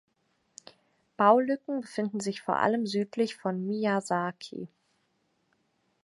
Baulücken befinden sich vor allem südlich von Miyazaki.